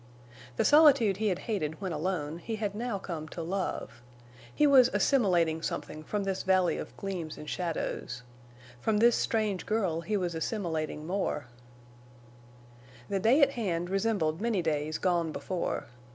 The solitude he had hated when alone he had now come to love. He was assimilating something from this valley of gleams and shadows. From this strange girl he was assimilating more. The day at hand resembled many days gone before.